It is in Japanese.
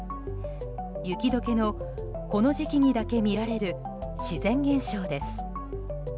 雪解けの、この時期にだけ見られる自然現象です。